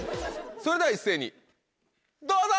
それでは一斉にどうぞ！